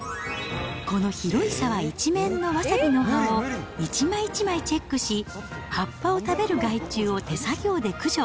この広い沢一面のわさびの葉を、一枚一枚チェックし、葉っぱを食べる害虫を手作業で駆除。